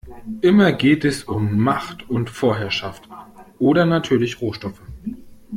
Immer geht es um Macht und Vorherrschaft oder natürlich Rohstoffe.